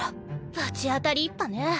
罰当たり一派ね。